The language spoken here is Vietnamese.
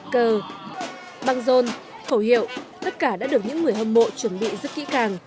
cờ băng rôn khẩu hiệu tất cả đã được những người hâm mộ chuẩn bị rất kỹ càng